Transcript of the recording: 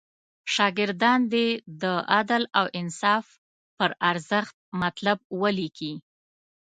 شاګردان دې د عدل او انصاف پر ارزښت مطلب ولیکي.